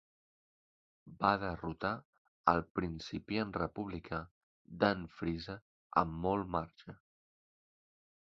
Va derrotar al principiant republicà Dan Frisa amb molt marge.